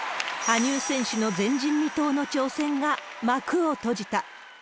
羽生選手の前人未到の挑戦が幕を閉じた。